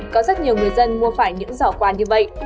có rất nhiều người dân mua phải những giỏ quà như vậy